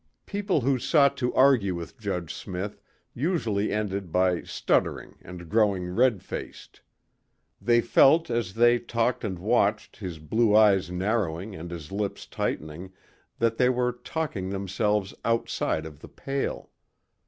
People who sought to argue with Judge Smith usually ended by stuttering and growing red faced. They felt as they talked and watched his blue eyes narrowing and his lips tightening, that they were talking themselves outside of the pale.